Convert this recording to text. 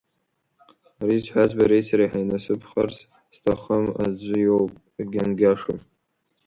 Ари зҳәаз бареи сареи ҳаинасыԥхарц зҭахым аӡә иоуп, гьангьашуп.